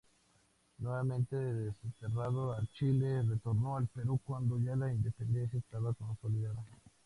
Nuevamente desterrado a Chile, retornó al Perú cuando ya la independencia estaba consolidada.